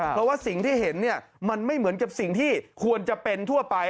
เพราะว่าสิ่งที่เห็นมันไม่เหมือนกับสิ่งที่ควรจะเป็นทั่วไป